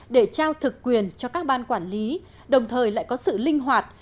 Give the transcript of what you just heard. để trao thực quyền cho các ban quản lý đồng thời lại có sự linh hoạt